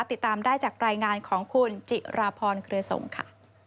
ติดตามได้จากรายงานของคุณจิราพรเครือสงฆ์ค่ะ